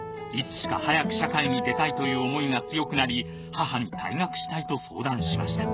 いつしか早く社会に出たいという思いが強くなり母に退学したいと相談しました。